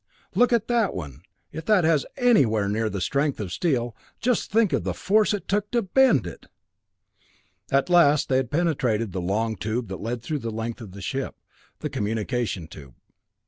Look at that one if that has anywhere near the strength of steel, just think of the force it took to bend it!" At last they had penetrated to the long tube that led through the length of the ship, the communication tube.